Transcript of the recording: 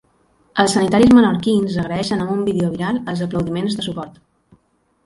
Els sanitaris menorquins agraeixen amb un vídeo viral els aplaudiments de suport.